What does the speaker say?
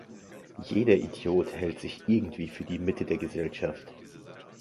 Jeder Idiot hält sich irgendwie für die Mitte der Gesellschaft.